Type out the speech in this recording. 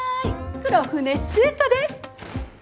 黒船スーコです。